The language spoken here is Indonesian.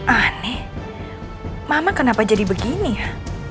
aneh mama kenapa jadi begini ya